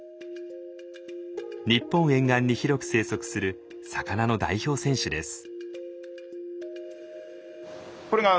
日本沿岸に広く生息する魚の代表選手です。